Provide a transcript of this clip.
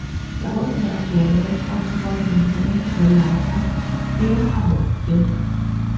La volta della torre, oggi quasi completamente crollata, era a botte.